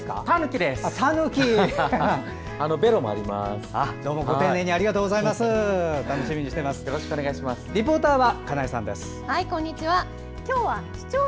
リポーターは金井さんです。